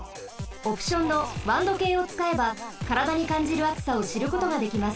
オプションのワン度計をつかえばからだにかんじるあつさをしることができます。